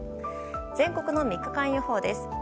全国の３日間予報です。